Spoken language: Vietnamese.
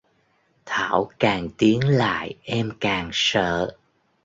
thảo càng tiến lại em càng sợ